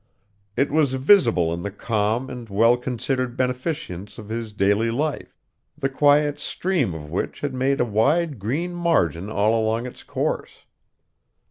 It was visible in the calm and well considered beneficence of his daily life, the quiet stream of which had made a wide green margin all along its course.